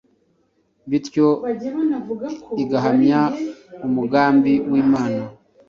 bityo igahamya umugambi w’Imana